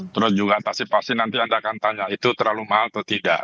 terus juga pasti nanti anda akan tanya itu terlalu mahal atau tidak